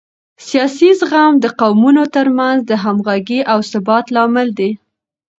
سیاسي زغم د قومونو ترمنځ د همغږۍ او ثبات لامل دی